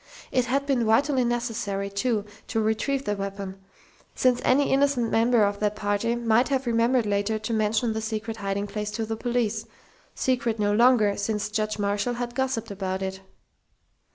It had been vitally necessary, too, to retrieve the weapon, since any innocent member of that party might have remembered later to mention the secret hiding place to the police secret no longer since Judge Marshall had gossiped about it....